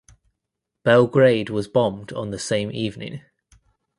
Belgrade was bombed on the same evening.